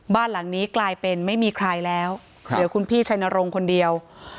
บ้านหลังนี้กลายเป็นไม่มีใครแล้วเหลือคุณพี่ชัยนรงค์คนเดียว